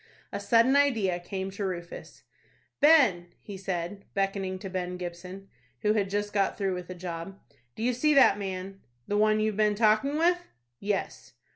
A sudden idea came to Rufus. "Ben," he said, beckoning to Ben Gibson, who had just got through with a job, "do you see that man?" "The one you've been talking with?" "Yes."